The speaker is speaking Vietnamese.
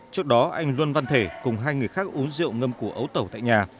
trước đó anh luân văn thể cùng hai người khác uống rượu ngâm củ ấu tẩu tại nhà